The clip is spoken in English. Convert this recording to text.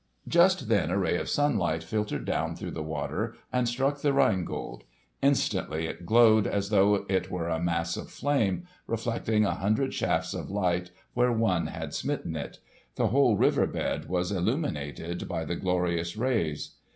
Just then a ray of sunlight filtered down through the water and struck the Rhine Gold. Instantly it glowed as though it were a mass of flame, reflecting a hundred shafts of light where one had smitten it. The whole river bed was illuminated by the glorious rays.